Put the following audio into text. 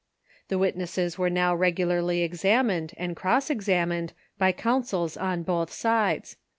The witnesses were now regidarly examined and cross , examined by counsels on both sides.